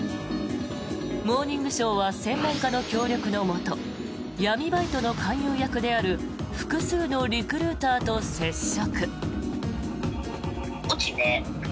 「モーニングショー」は専門家の協力のもと闇バイトの勧誘役である複数のリクルーターと接触。